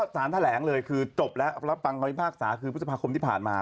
สารแท้แหลงเลยคือจบแล้วครับพรรภ์รัมพ์ความวิภาคษาคือพุทธภาคมที่ผ่านมา